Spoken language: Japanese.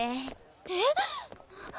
えっ！？